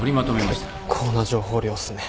結構な情報量っすね。